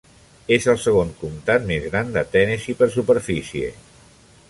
És el segon comtat més gran de Tennessee per superfície.